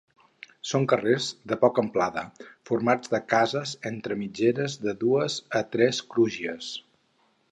Són carrers de poca amplada, formats per cases entre mitgeres de dues a tres crugies.